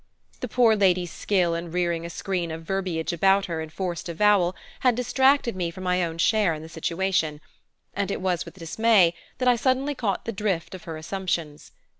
The poor lady's skill in rearing a screen of verbiage about her enforced avowal had distracted me from my own share in the situation, and it was with dismay that I suddenly caught the drift of her assumptions.